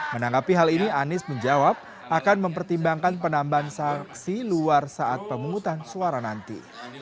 menanggapi hal ini anies menjawab akan mempertimbangkan penambahan sanksi luar saat pemungutan suara nanti